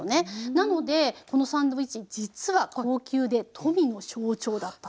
なのでこのサンドイッチ実は高級で富の象徴だった。